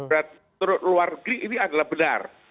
dan terutama luar negeri ini adalah benar